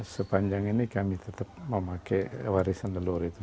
sepanjang ini kami tetap memakai warisan tuhan